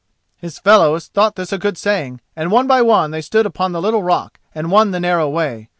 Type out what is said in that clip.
His fellows thought this a good saying, and one by one they stood upon the little rock and won the narrow way.